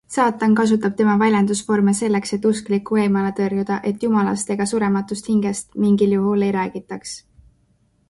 Saatan kasutab tema väljendusvorme selleks, et usklikku eemale tõrjuda, et Jumalast ega surematust hingest mingil juhul ei räägitaks.